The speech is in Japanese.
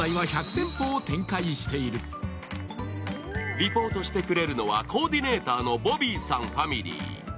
リポートしてくれるのはコーディネーターのボビーさんファミリー。